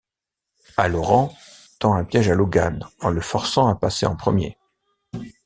Halloran tend un piège à Logan en le forçant à passer en premier.